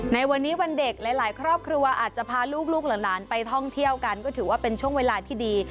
ในวันนี้วันเด็กหลายครอบครัวอาจจะพาลูกหลานไปท่องเที่ยวกันก็ถือว่าเป็นช่วงเวลาที่ดี